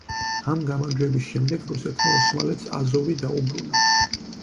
ამ გამარჯვების შემდეგ რუსეთმა ოსმალეთს აზოვი დაუბრუნა.